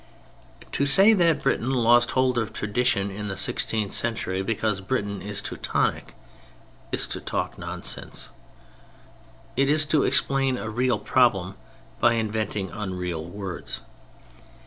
To say that Britain lost hold of tradition in the sixteenth century because Britain is "Teutonic," is to talk nonsense. It is to explain a real problem by inventing unreal words.